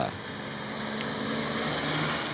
arief dita utama fikrikadit